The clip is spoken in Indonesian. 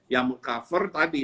yang cover tadi